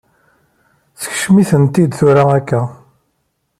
Sekcem-iten-id tura akka!